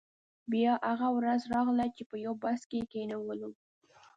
بیا هغه ورځ راغله چې په یو بس کې یې کینولو.